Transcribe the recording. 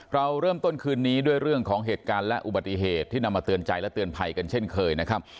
เราเริ่มต้นคืนนี้ด้วยเรื่องของเหตุการณ์และอุบัติเหตุที่นำมาเตือนใจและเตือนภัยกันเช่นเคยนะครับ